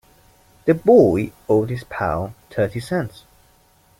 The boy owed his pal thirty cents.